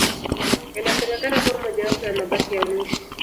Inasemekana kuwa mojawapo ya mabaki ya mwisho